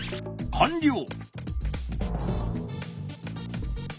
かんりょう！